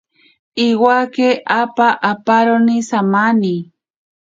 Iwake apa aparo samani.